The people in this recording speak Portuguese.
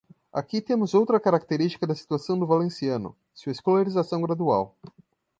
Aqui temos outra característica da situação do valenciano: sua escolarização gradual.